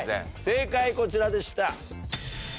正解こちらでした。